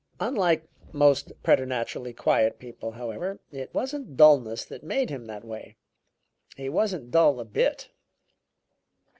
Unlike most preternaturally quiet people, however, it wasn't dulness that made him that way; he wasn't dull a bit.